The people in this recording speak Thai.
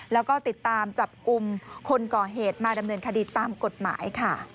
แล้วก็ติดตามจับกลุ่มคนก่อเหตุมาดำเนินคดีตามกฎหมายค่ะ